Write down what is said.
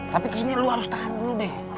tapi kayak gini lu harus tahan dulu deh